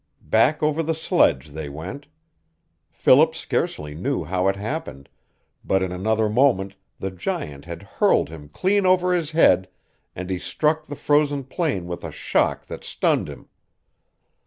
Back over the sledge they went. Philip scarcely knew how it happened but in another moment the giant had hurled him clean over his head and he struck the frozen plain with a shock that stunned him.